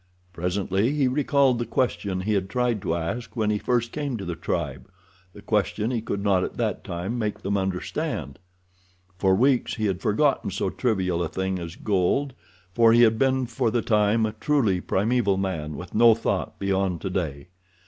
Presently he recalled the question he had tried to ask when he first came to the tribe—the question he could not at that time make them understand. For weeks he had forgotten so trivial a thing as gold, for he had been for the time a truly primeval man with no thought beyond today.